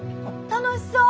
楽しそう！